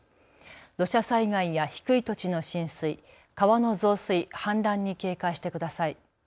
土砂災害や低い土地の浸水、川の増水、氾濫に警戒してください。